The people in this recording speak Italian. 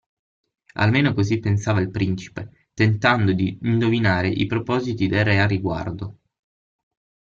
Almeno così pensava il principe, tentando di indovinare i propositi del re a riguardo.